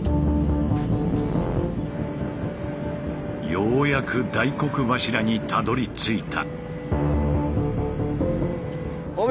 ようやく大黒柱にたどりついた。